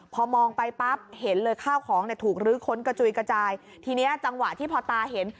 พอมองไปปั๊บเห็นเลยข้าวของเนี่ยถูกลื้อค้นกระจุยกระจายทีนี้จังหวะที่พอตาเห็น